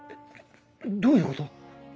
どういうこと？